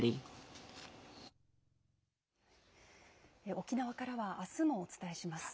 沖縄からはあすもお伝えします。